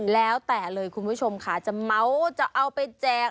แล้วแต่เลยคุณผู้ชมค่ะจะเมาจะเอาไปแจก